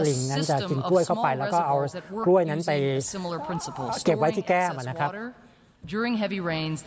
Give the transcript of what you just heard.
และเวรตภัณฑ์ทางวิทยาศาสตร์